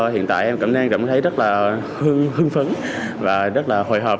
hiện tại em cảm thấy rất là hương phấn và rất là hồi hộp